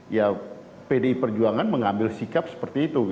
ya pdi perjuangan mengambil sikap seperti itu